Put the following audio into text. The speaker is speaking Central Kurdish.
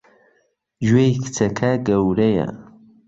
گوێی کچەکە گەورەیە!